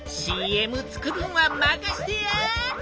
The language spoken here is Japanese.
ＣＭ作るんはまかしてや！